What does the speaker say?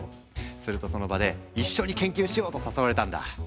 するとその場で「一緒に研究しよう」と誘われたんだ。